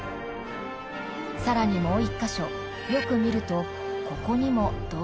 更にもう一か所よく見るとここにも動物が。